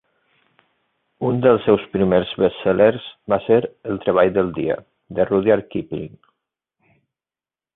Un dels seus primers bestsellers va ser "El treball del dia" de Rudyard Kipling.